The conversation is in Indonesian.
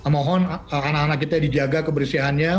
mohon anak anak kita dijaga kebersihannya